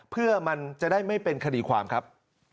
เพื่อมันจะได้ไม่เป็นคดีความครับ